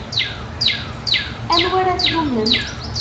Anwa ara tlummem?